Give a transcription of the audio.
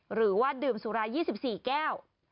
หรือว่าดื่มสุรา๒๔แก้ว